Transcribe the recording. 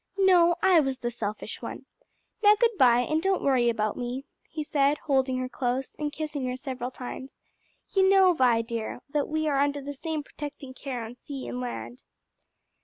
No, I was the selfish one. Now good bye, and don't worry about me," he said, holding her close, and kissing her several times; "you know, Vi dear, that we are under the same protecting care on sea and on land."